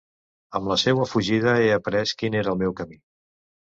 Amb la seua fugida he aprés quin era el meu camí.